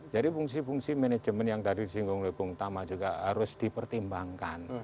jadi fungsi fungsi manajemen yang tadi di singkong lebung tama juga harus dipertimbangkan